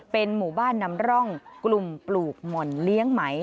เป็นหมู่บ้านนำร่องกลุ่มปลูกหม่อนเลี้ยงไหม